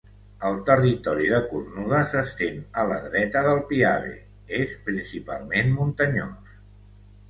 El territori de Cornuda s'estén a la dreta del Piave, és principalment muntanyós.